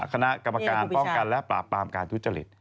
คณะกรรมการป้องกันและปราบปรามการทุจริต